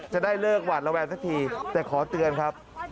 จะได้เลิกหวาดระแวงสักทีแต่ขอเตือนครับ